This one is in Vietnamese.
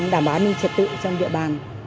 đảm bảo an ninh trật tự trong địa bàn